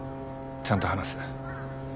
ちゃんと話す。